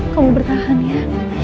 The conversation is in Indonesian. kamu bertahan ya